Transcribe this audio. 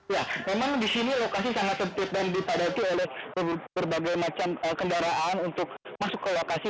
ya memang di sini lokasi sangat sempit dan dipadati oleh berbagai macam kendaraan untuk masuk ke lokasi